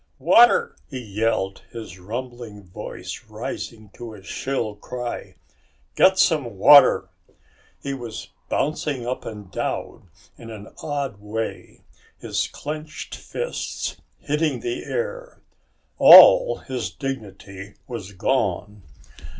"Water!" he yelled, his rumbling voice rising to a shrill cry. "Get some water!" He was bouncing up and down in an odd way, his clenched fists hitting the air. All his dignity was gone.